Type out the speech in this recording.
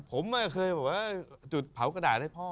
ผมเคยบอกว่าจุดเผากระดาษให้พ่อ